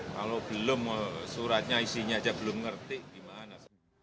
kalau belum suratnya isinya aja belum ngerti gimana